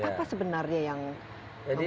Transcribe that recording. apa sebenarnya yang membuatnya beda